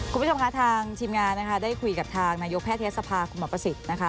คุณผู้ชมคะทางทีมงานนะคะได้คุยกับทางนายกแพทยศภาคุณหมอประสิทธิ์นะคะ